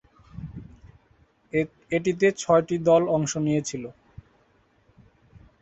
এটিতে ছয়টি দল অংশ নিয়েছিল।